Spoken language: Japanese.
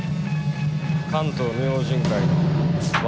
関東明神会の渡だ。